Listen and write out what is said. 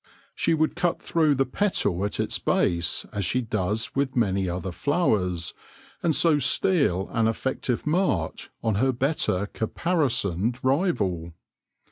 She would cut through the petal at its base, as she does with many other flowers, and so steal an effective march on her better capari soned rival.